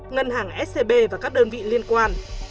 ngân hàng scb và các đơn vị liên quan